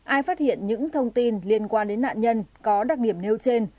ai phát hiện những thông tin liên quan đến nạn nhân có đặc điểm nêu trên